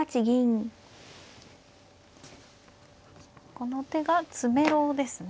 この手が詰めろですね。